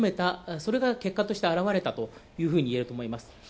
それが結果として現れたというふうにいえるとおもいます。